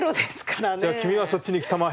じゃあ君はそっちに行きたまえ。